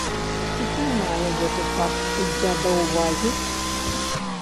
Ці прымае гэты факт суддзя да ўвагі?